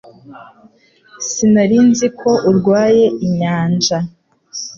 Sinari nzi ko urwaye inyanja